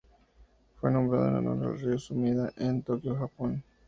Fue nombrado en honor al río Sumida, en Tokio, Japón.